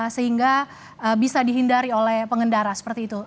sehingga bisa dihindari oleh pengendara seperti itu